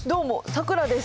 さくらです。